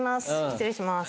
失礼します